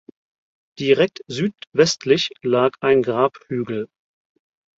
Direkt südwestlich lag ein Grabhügel.